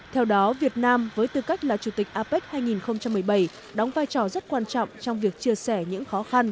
theo đó việt nam với tư cách là chủ tịch apec hai nghìn một mươi bảy đóng vai trò rất quan trọng trong việc chia sẻ những khó khăn